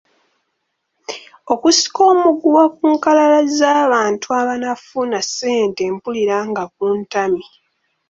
Okusika omuguwa ku nkalala z’abantu abanaafuna ssente mpulira nga kuntamye.